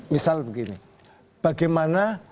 misalnya begini bagaimana